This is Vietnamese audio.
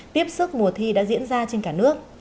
tiếp sức mùa thi đã diễn ra trên cả nước